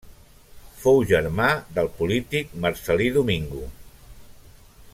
Fou germà del polític Marcel·lí Domingo.